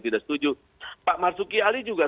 tidak setuju pak marsuki ali juga